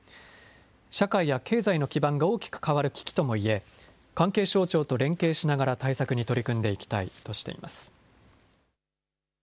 社会や経済の基盤が大きく変わる危機ともいえ、関係省庁と連携しながら対策に取り組んでいきたいとしています。